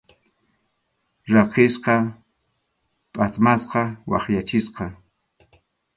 Rakisqa, phatmasqa, wakyachisqa.